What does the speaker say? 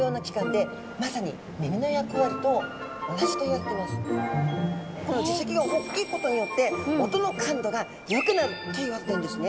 これはこの耳石が大きいことによって音の感度が良くなるというわけなんですね。